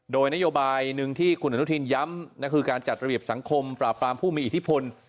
โดยนโยบายหนึ่งที่คุณอนุทินย้ำคือการจัดระเบียบสังคมปราบปรามผู้มีอิทธิพล